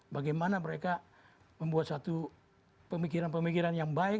bagaimana mereka membuat satu pemikiran pemikiran yang baik